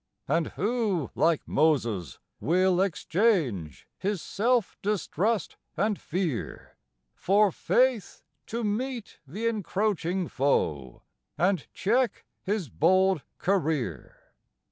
And who, like Moses, will exchange his self distrust and fear For faith to meet the encroaching foe and check his bold career?